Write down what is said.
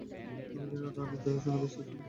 আমি দিনরাত রানীর দেখাশোনায় ব্যস্ত ছিলাম।